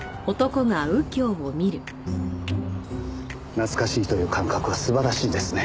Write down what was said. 懐かしいという感覚は素晴らしいですね。